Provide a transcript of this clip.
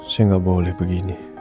saya tidak boleh begini